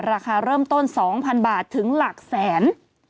ราคาเริ่มต้น๒๐๐๐บาทถึงหลักแสน